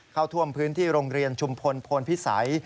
เข้าท่วมพื้นที่โรงเรียนชุมพลพลพิสัย